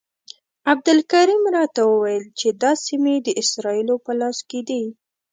عبدالکریم راته وویل چې دا سیمې د اسرائیلو په لاس کې دي.